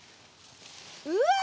うわ！